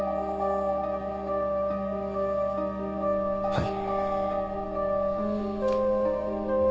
はい。